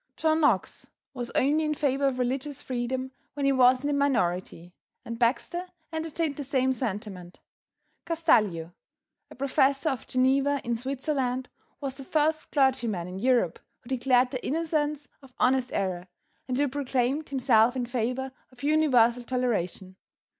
John Knox was only in favor of religious freedom when he was in the minority, and Baxter entertained the same sentiment. Castalio, a professor at Geneva, in Switzerland, was the first clergyman in Europe who declared the innocence of honest error, and who proclaimed himself in favor of universal toleration.